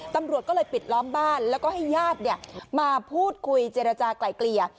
ตำรวจก็เลยปิดล้อมบ้านแล้วก็ให้ญาติมาพูดคุยเจรจากลายเกลี่ย